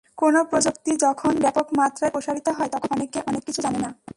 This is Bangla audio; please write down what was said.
কোনো প্রযুক্তি যখন ব্যাপক মাত্রায় সম্প্রসারিত হয়, তখন অনেকে অনেক কিছু জানে না।